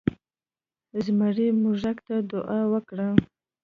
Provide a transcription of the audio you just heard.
زمري موږک ته دعا وکړه.